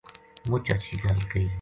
مچ ہچھی گل کہی